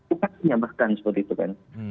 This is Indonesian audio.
bukan penyambahkan seperti itu kan